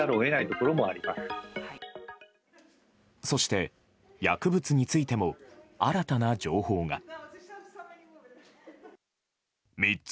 そして、薬物についても新たな情報が。